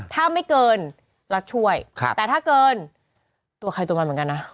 ถ้าไม่เกินรัฐช่วยแต่ถ้าเกินตัวใครตัวมันเหมือนกันนะ